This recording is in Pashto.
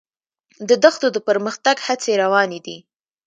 د دښتو د پرمختګ هڅې روانې دي.